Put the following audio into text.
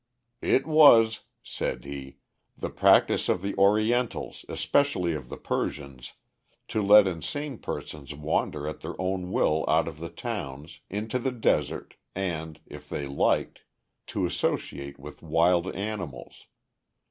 "It was," said he, "the practice of the Orientals, especially of the Persians, to let insane persons wander at their own will out of the towns, into the desert, and, if they liked, to associate with wild animals.